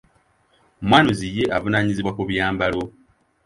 Mwanuzi ye avunaanyizibwa ku byambalo.